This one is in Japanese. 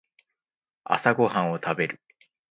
朝ごはんを食べる